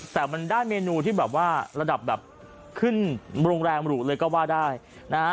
แต่มันได้เมนูที่แบบว่าระดับแบบขึ้นโรงแรมหรูเลยก็ว่าได้นะฮะ